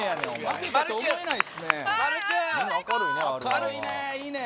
明るいね、いいね。